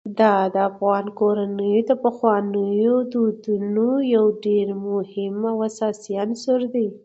دا د افغان کورنیو د پخوانیو دودونو یو ډېر مهم او اساسي عنصر دی.